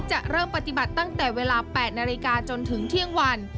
จะเริ่มปฏิบัติตั้งแต่เวลา๘นาฬิกาจนถึงเที่ยงวัน